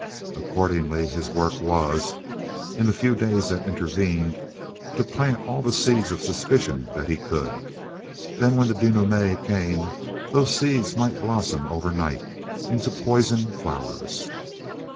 Accordingly, his work was, in the few days that intervened, to plant all the seeds of suspicion that he could. Then, when the denouement came, those seeds might blossom overnight into poison flowers.